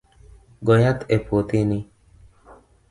Go yath e puothini .